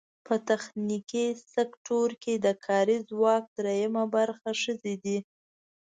په تخنیکي سکټور کې د کاري ځواک درېیمه برخه ښځې دي.